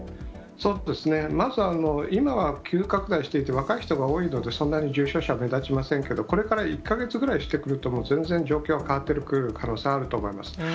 そうですね、まず、今は急拡大していて、若い人が多いので、そんなに重症者目立ちませんけど、これから１か月ぐらいしてくると、全然状況は変わってくる可能性、あると思います。